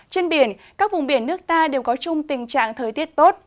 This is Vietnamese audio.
trên biển các vùng biển nước ta đều có chung tình trạng thời tiết tốt